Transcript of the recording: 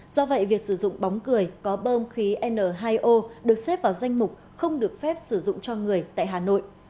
do vậy việc sử dụng bóng cười có bơm khí n hai o được xếp vào danh mục không được phép sử dụng cho người tại hà nội